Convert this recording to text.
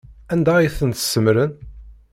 Anda ay tent-tsemmṛem?